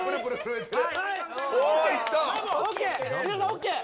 ＯＫ？